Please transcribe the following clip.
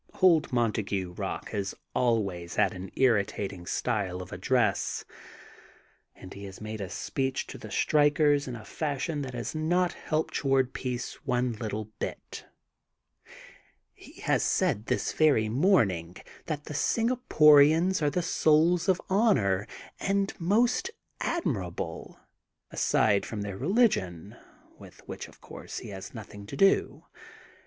Old Montague Eock has always had an ir ritating style of address and he has made a speech to the strikers in a fashion that has not helped toward peace one little bit. He has said this very morning that the Singaporians THE GOLDEN BOOK OF SPRINGFIELD 167 are the souls of honor and most admirable, aside frcJm their religion, with which, of course, he has nothing to do.